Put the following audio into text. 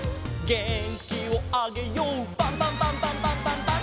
「げんきをあげようパンパンパンパンパンパンパン！！」